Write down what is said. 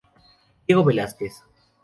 Diego Velázquez.